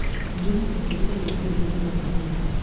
Mbuzi huathirika zaidi na ugonjwa wa ngozi